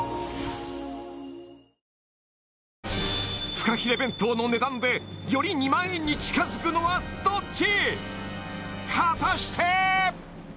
フカヒレ弁当の値段でより２万円に近づくのはどっち？